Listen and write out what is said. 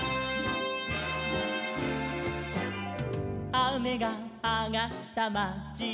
「あめがあがったまちに」